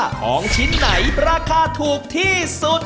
ของชิ้นไหนราคาถูกที่สุด